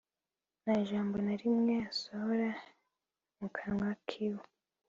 ntajambo narimwe asohora mukanwa kiwe